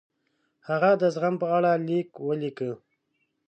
هغه د زغم په اړه لیک ولیکه.